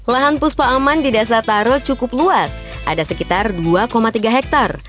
lahan puspa aman di desa taro cukup luas ada sekitar dua tiga hektare